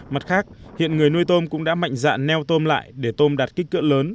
mặt khác hiện người nuôi tôm cũng đã mạnh dạn neo tôm lại để tôm đạt kích cỡ lớn